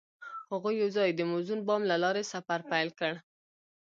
هغوی یوځای د موزون بام له لارې سفر پیل کړ.